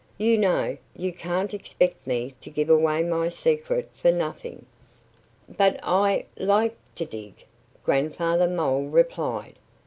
You know, you can't expect me to give away my secret for nothing." "But I like to dig," Grandfather Mole replied.